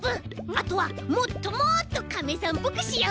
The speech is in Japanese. あとはもっともっとカメさんっぽくしようぜ。